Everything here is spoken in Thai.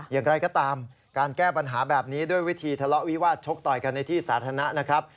อย่างไรก็ตามการแก้ปัญหาแบบนี้ด้วยวิธีทะเลาะวิวาสชกต่อยกันในที่สาธารณะนะครับ